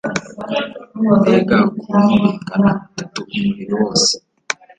mbega ukuntu bingana tatu umubiri wose